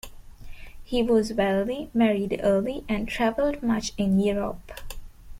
He was wealthy, married early, and travelled much in Europe.